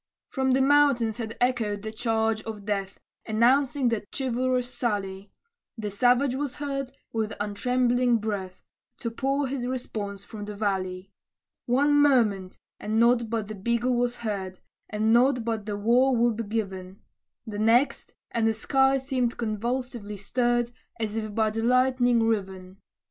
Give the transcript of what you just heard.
From the mountains had echoed the charge of death, Announcing that chivalrous sally; The savage was heard, with untrembling breath, To pour his response from the valley. One moment, and nought but the bugle was heard, And nought but the war whoop given; The next, and the sky seemed convulsively stirred, As if by the lightning riven.